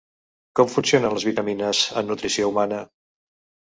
Com funcionen les vitamines en nutrició humana?